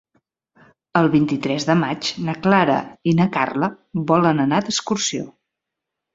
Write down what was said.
El vint-i-tres de maig na Clara i na Carla volen anar d'excursió.